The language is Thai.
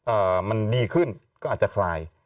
มันดีขึ้นก็อาจจะคลาย